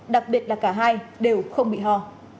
đặc biệt là cả hai đều không bị ho